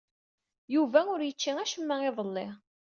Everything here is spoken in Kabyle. Yuba ur yečči acemma iḍelli.